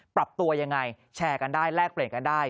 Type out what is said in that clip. ปรับตัวยังไงแชร์กันได้แลกเปลี่ยนกันได้